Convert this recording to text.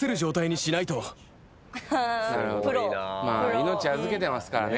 命預けてますからね。